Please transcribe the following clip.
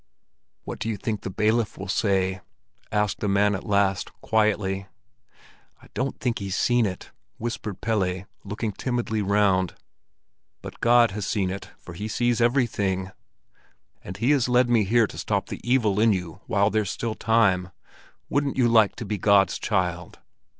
"What do you think the bailiff will say?" asked the man at last, quietly. "I don't think he's seen it," whispered Pelle, looking timidly round. "But God has seen it, for He sees everything. And He has led me here to stop the evil in you while there's still time. Wouldn't you like to be God's child?"